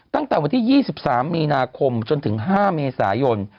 ตั้งแต่วันที่๒๓มีนาคมจนถึง๕เมษายน